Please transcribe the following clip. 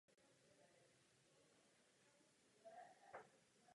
Domnívám se, že jenom dokládají lehkomyslný postoj odpůrců Lisabonské smlouvy.